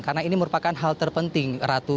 karena ini merupakan hal terpenting ratu